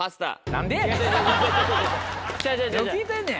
何を聞いてんねん。